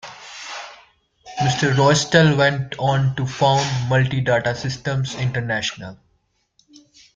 Mr. Roestel went on to found Multidata Systems International.